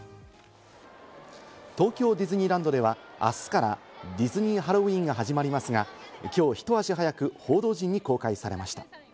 東京ディズニーランドでは、あすからディズニー・ハロウィーンが始まりますが、きょうひと足早く報道陣に公開されました。